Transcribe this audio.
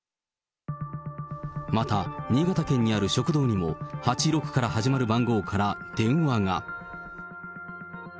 また、新潟県にある食堂にも、８６から始まる番号から電話が。